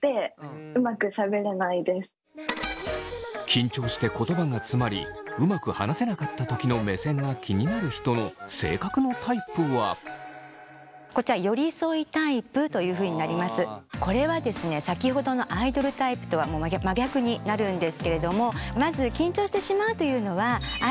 緊張して言葉がつまりうまく話せなかったときの目線が気になる人のこれはですね先ほどのアイドルタイプとは真逆になるんですけれども。